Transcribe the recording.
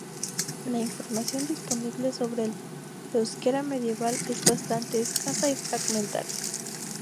La información disponible sobre el euskera medieval es bastante escasa y fragmentaria.